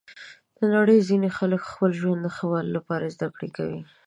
د نړۍ ځینې خلک د خپل ژوند د ښه والي لپاره زده کړه کوي.